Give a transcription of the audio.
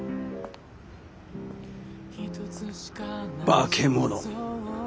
化け物。